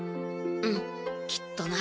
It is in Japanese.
うんきっとな。